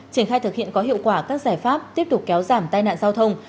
triển khai thực hiện có hiệu quả các giải pháp tiếp tục kéo giảm tai nạn giao thông